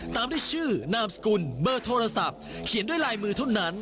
ตามด้วยชื่อนามสกุลเบอร์โทรศัพท์เขียนด้วยลายมือเท่านั้น